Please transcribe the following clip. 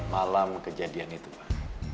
malam kejadian itu pak